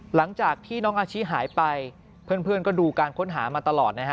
หลังจากที่น้องอาชิหายไปเพื่อนก็ดูการค้นหามาตลอดนะฮะ